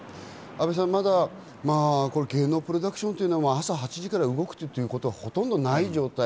まだ芸能プロダクションというのは朝８時から動くというのは、ほとんどない状態。